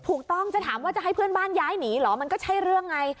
จะถามว่าจะให้เพื่อนบ้านย้ายหนีเหรอมันก็ใช่เรื่องไง